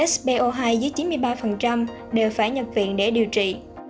so hai dưới chín mươi ba đều phải nhập viện để điều trị